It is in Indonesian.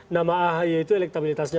nama ahe itu elektabilitasnya